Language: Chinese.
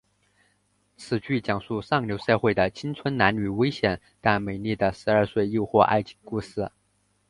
此剧讲述上流社会的青春男女危险但美丽的二十岁诱惑爱情故事。